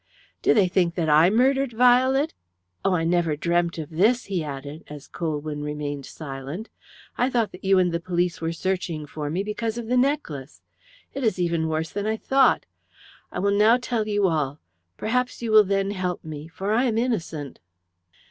"Do they think that I murdered Violet? Oh, I never dreamt of this," he added, as Colwyn remained silent. "I thought that you and the police were searching for me because of the necklace. It is even worse than I thought. I will now tell you all. Perhaps you will then help me, for I am innocent."